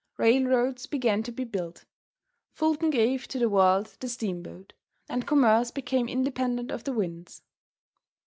Railroads began to be built. Fulton gave to the world the steamboat, and commerce became independent of the winds.